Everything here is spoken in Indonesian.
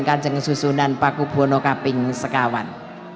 kanjeng susunan pakubwono kaping sekawan